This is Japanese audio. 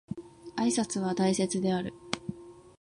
挨拶は大切である